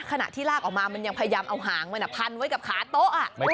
ขณะที่ลากออกมามันยังพยายามเอาหางมันพันไว้กับขาโต๊ะ